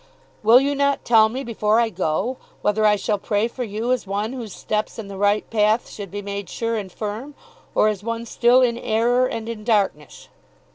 "Will you not tell me before I go whether I shall pray for you as one whose steps in the right path should be made sure and firm; or as one still in error and in darkness?"